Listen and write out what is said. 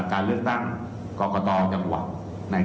การสอบส่วนแล้วนะ